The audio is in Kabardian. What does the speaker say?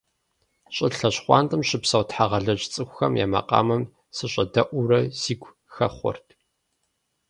ЩӀылъэ щхъуантӀэм щыпсэу тхьэгъэлэдж цӀыкӀухэм я макъамэм сыщӀэдэӀуурэ сигу хэхъуэрт.